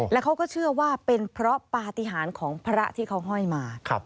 แล้วเขาก็เชื่อว่าเป็นเพราะปฏิหารของพระที่เขาห้อยมา